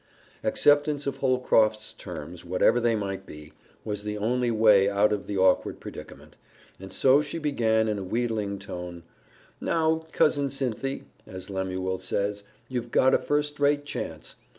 Acceptance of Holcroft's terms, whatever they might be, was the only way out of the awkward predicament, and so she began in a wheedling tone, "Now, Cousin Cynthy, as Lemuel says, you've got a first rate chance.